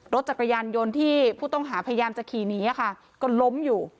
รถจักรยานยนต์ที่ผู้ต้องหาพยายามจะขี่หนีค่ะก็ล้มอยู่